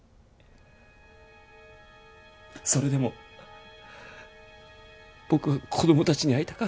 それでも僕は子どもたちに会いたか。